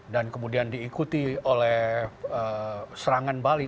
dan kemudian diikuti oleh serangan militan